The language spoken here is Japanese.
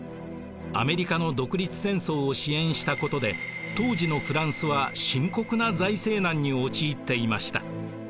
アメリカの独立戦争を支援したことで当時のフランスは深刻な財政難に陥っていました。